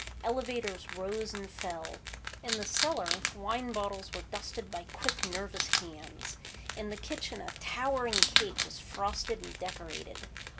Elevators rose and fell. In the cellar, wine bottles were dusted by quick, nervous hands. In the kitchen, a towering cake was frosted and decorated.